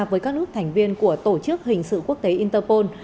với các nước thành viên của tổ chức hình sự quốc tế interpol